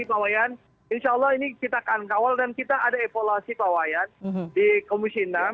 sekali lagi pawayan insya allah ini kita akan kawal dan kita ada evaluasi pawayan di komisi enam